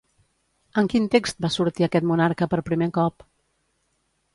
En quin text va sortir aquest monarca per primer cop?